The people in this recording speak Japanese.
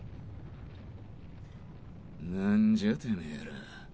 何じゃてめえら。